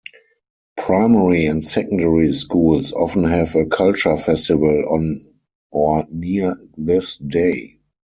Primary and secondary schools often have a "culture festival" on or near this day.